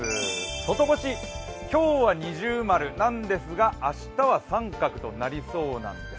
外干し、今日は◎なんですが明日は△となりそうなんです。